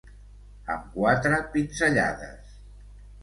Amb quatre pinzellades.